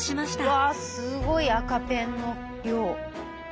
うわすごい赤ペンの量。